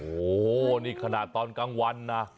โหนี่ขณะตอนกลางวันนะ